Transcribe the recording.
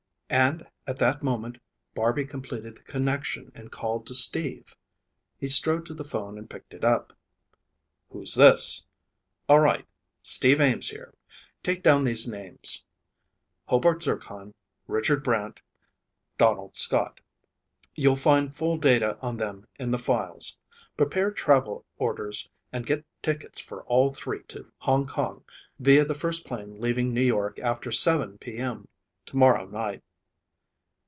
And at that moment, Barby completed the connection and called to Steve. He strode to the phone and picked it up. "Who's this? All right. Steve Ames here. Take down these names. Hobart Zircon. Richard Brant. Donald Scott. You'll find full data on them in the files. Prepare travel orders and get tickets for all three to Hong Kong via the first plane leaving New York after 7:00 p.m. tomorrow night.